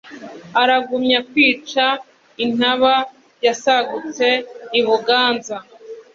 Aragumya kwica intaba yasagutse u Buganza